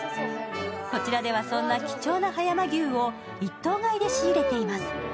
こちらでは、そんな貴重な葉山牛を１頭買いで仕入れています。